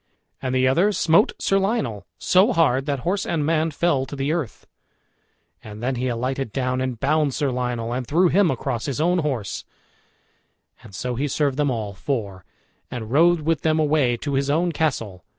And the other smote Sir Lionel so hard that horse and man fell to the earth; and then he alighted down and bound Sir Lionel, and threw him across his own horse; and so he served them all four, and rode with them away to his own castle.